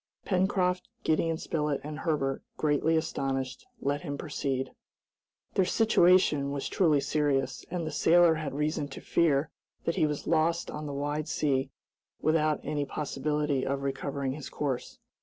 Pencroft, Gideon Spilett, and Herbert, greatly astonished, let him proceed. Their situation was truly serious, and the sailor had reason to fear that he was lost on the wide sea without any possibility of recovering his course.